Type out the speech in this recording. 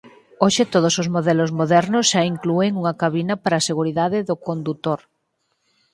Hoxe todos os modelos modernos xa inclúen unha cabina para seguridade do condutor.